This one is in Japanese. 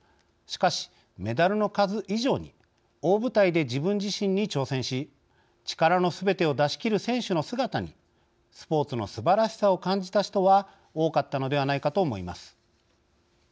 しかし、メダルの数以上に大舞台で自分自身に挑戦し力のすべてを出し切る選手の姿にスポーツのすばらしさを感じた人は多かったのではないかと思います。